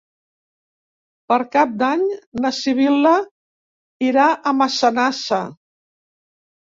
Per Cap d'Any na Sibil·la irà a Massanassa.